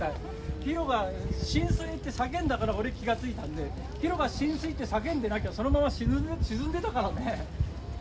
ひろが浸水！って叫んだから俺、気が付いたんで、ひろが浸水って叫んでなきゃ、そのまま沈んでたからね。